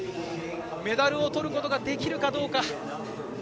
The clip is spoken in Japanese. メダルを取ることができるかどうか。